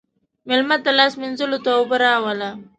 مېلمه ته لاس مینځلو ته اوبه راوله.